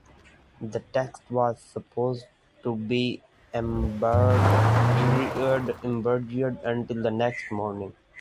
The text was supposed to be embargoed until the next morning.